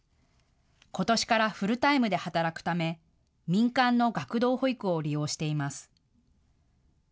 ことしからフルタイムで働くため民間の学童保育を利用しています。